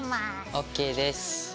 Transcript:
ＯＫです。